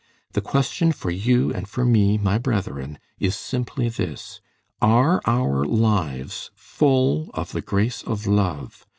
The question for you and for me, my brethren, is simply this: Are our lives full of the grace of love?